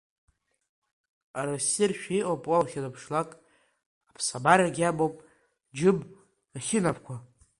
Ара ссиршәа иҟоуп уа уахьынаԥшлак, аԥсабарагь иамоуп, џьым, ахьынапқәа!